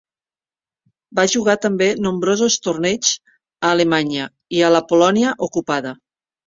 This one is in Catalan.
Va jugar també nombrosos torneigs a Alemanya i a la Polònia ocupada.